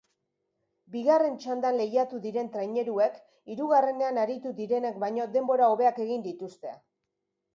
Bigarren txandan lehiatu diren traineruek hirugarrenean aritu direnek baino denbora hobeak egin dituzte.